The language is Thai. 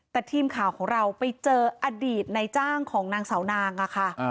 แต่ทีมข่าวของเราไปเจออดีตในจ้างของนางสาวนางอะค่ะ